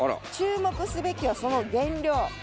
注目すべきはその原料。